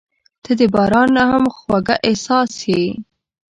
• ته د باران نه هم خوږه احساس یې.